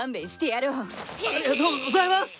ありがとうございます！